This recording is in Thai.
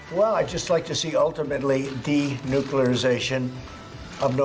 หลายคนอยากจะเห็นมันไปทางอีกทางกัน